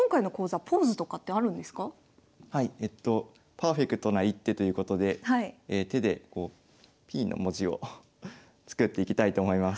パーフェクトな一手ということで手でＰの文字を作っていきたいと思います。